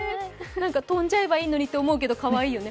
跳んじゃえばいいのにって思うけど、かわいいよね。